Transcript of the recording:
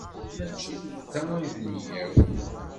Mačči d ta i d nneyya-w.